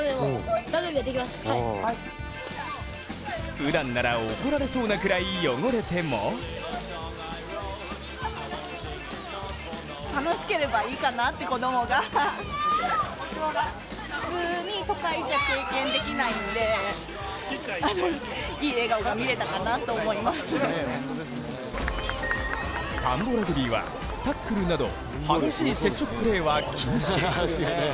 ふだんなら怒られそうなくらい汚れてもたんぼラグビーは、タックルなど激しい接触プレーは禁止。